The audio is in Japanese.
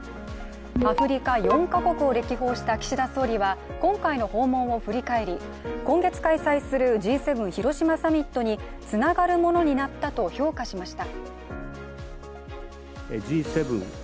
アフリカ４か国を歴訪した岸田総理は今回の訪問を振り返り、今月開催するＧ７広島サミットにつながるものになったと評価しました。